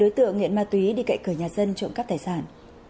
đối tượng nghiện ma túy đi cậy cửa nhà dân trộm cắp tài sản